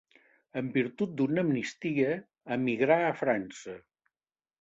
En virtut d'una amnistia, emigrà a França.